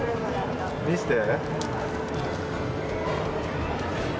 見せて。